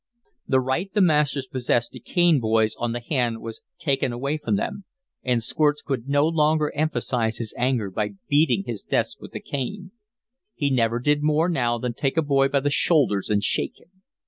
The right the masters possessed to cane boys on the hand was taken away from them, and Squirts could no longer emphasize his anger by beating his desk with the cane. He never did more now than take a boy by the shoulders and shake him.